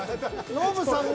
ノブさんが。